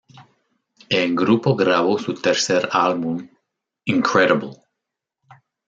El grupo grabó su tercer álbum, "Incredible!